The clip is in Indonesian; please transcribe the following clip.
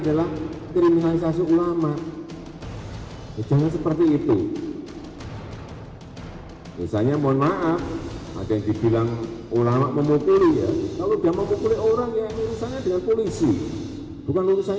terima kasih asal asal